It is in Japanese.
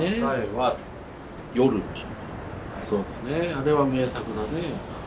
あれは名作だね。